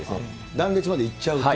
断裂までいっちゃうと。